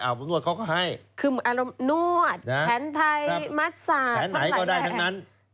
คุณนวดเขาก็ให้คืออารมณ์นวดแผนไทยมัดสายแผนไหนก็ได้ทั้งนั้น